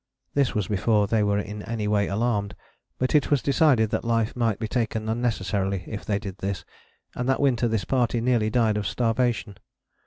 This was before they were in any way alarmed. But it was decided that life might be taken unnecessarily if they did this and that winter this party nearly died of starvation.